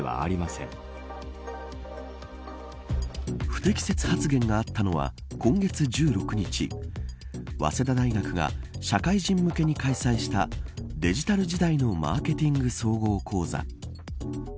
不適切発言があったのは今月１６日早稲田大学が社会人向けに開催したデジタル時代のマーケティング総合講座。